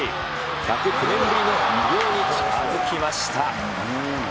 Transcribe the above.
１０９年ぶりの偉業に近づきました。